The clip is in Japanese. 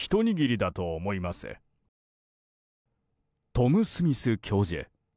トム・スミス教授。